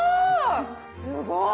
すごい！